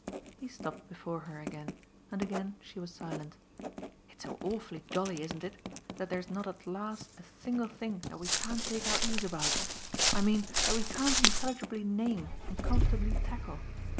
He stopped before her again, and again she was silent. "It's so awfully jolly, isn't it? that there's not at last a single thing that we can't take our ease about. I mean that we can't intelligibly name and comfortably tackle.